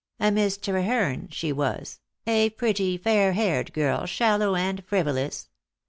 A Miss Treherne she was, a pretty, fair haired girl, shallow and frivolous.